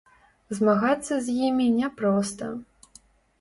Змагацца з імі няпроста.